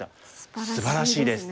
すばらしいですね。